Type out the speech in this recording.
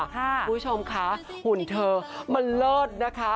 คุณผู้ชมค่ะหุ่นเธอมันเลิศนะคะ